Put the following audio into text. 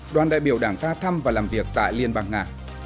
đoàn đại biểu đảng ta thăm và làm việc tại liên bang nga